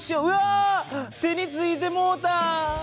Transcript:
手についてもうた！